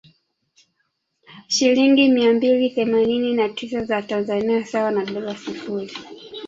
shilingi mia mbili themanini na tisa za Tanzania sawa na dola sufuri